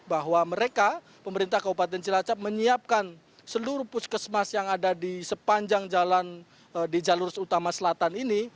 bahwa mereka pemerintah kabupaten cilacap menyiapkan seluruh puskesmas yang ada di sepanjang jalan di jalur utama selatan ini